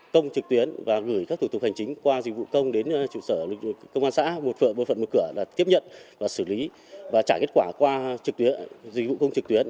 công trực tuyến và gửi các thủ tục hành chính qua dịch vụ công đến trụ sở công an xã một phận một cửa là tiếp nhận và xử lý và trả kết quả qua trực tuyến dịch vụ công trực tuyến